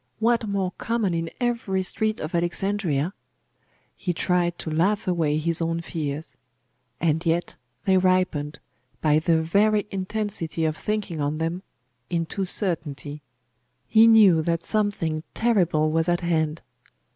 What more common in every street of Alexandria? He tried to laugh away his own fears. And yet they ripened, by the very intensity of thinking on them, into certainty. He knew that something terrible was at hand.